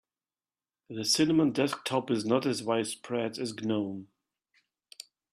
The cinnamon desktop is not as widespread as gnome.